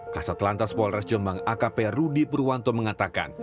kasat lantas polres jombang akp rudy purwanto mengatakan